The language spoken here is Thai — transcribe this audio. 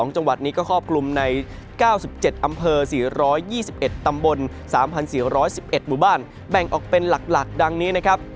จังหวัดนี้ก็ครอบคลุมใน๙๗อำเภอ๔๒๑ตำบล๓๔๑๑หมู่บ้านแบ่งออกเป็นหลักดังนี้นะครับ